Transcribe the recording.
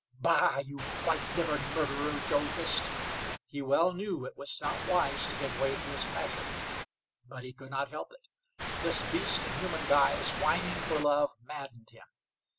"Bah! You white livered murderer!" Joe hissed. He well knew it was not wise to give way to his passion; but he could not help it. This beast in human guise, whining for love, maddened him.